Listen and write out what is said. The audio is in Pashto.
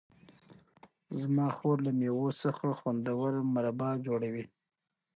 زما خور له مېوو څخه خوندور مربا جوړوي.